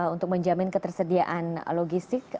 untuk menjamin ketersediaan logistik